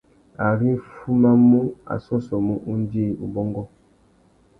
Ari nʼfumamú, a sôssômú undjï, ubôngô.